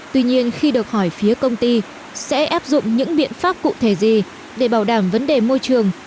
tuy nhiên khi được hỏi phía công ty sẽ áp dụng những biện pháp cụ thể gì để bảo đảm vấn đề môi trường